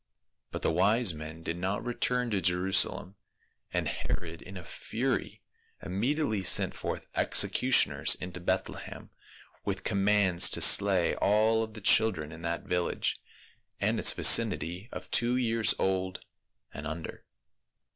But the wise men did not return to Jeru salem, and Herod in a fury immediately sent forth executioners into Bethlehem with commands to slay all of the children in that village and its vicinity of two years old and under.